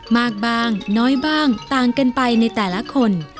มากบ้างน้อยบ้างต่างกันไปในแต่ละคน